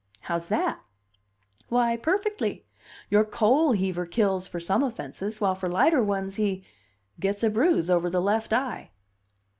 "How's that?" "Why, perfectly! Your coal heaver kills for some offenses, while for lighter ones he gets a bruise over the left eye."